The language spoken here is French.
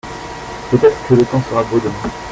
peut-être que le temps sera beau demain.